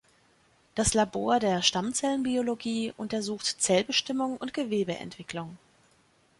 Das Labor der Stammzellenbiologie untersucht Zellbestimmung und Gewebeentwicklung.